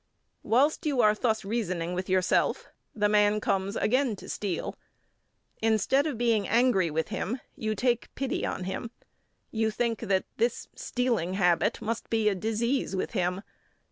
Whilst you are thus reasoning with yourself, the man comes again to steal. Instead of being angry with him, you take pity on him. You think that this stealing habit must be a disease with him.